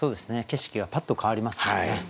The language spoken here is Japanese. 景色がパッと変わりますからね。